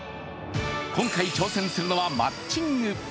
今回挑戦するのはマッチング。